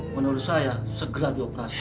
menurut saya segera dioperasi